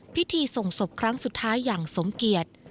พิธีส่งศพครั้งสุดท้ายอย่างสมเกียจ